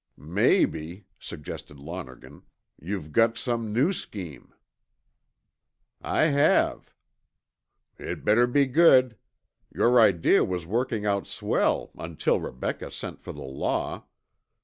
"Maybe," suggested Lonergan, "you've got some new scheme." "I have." "It better be good. Your idea was working out swell until Rebecca sent for the law.